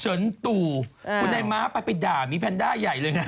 เชิญตู่คุณไอ้ม้าไปไปด่ามีแพนด้าใหญ่เลย